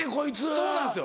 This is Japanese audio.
そうなんですよ